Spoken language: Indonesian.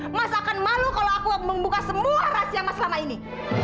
emas akan malu kalau aku membuka semua rahasia mas selama ini